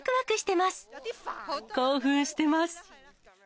興奮してます。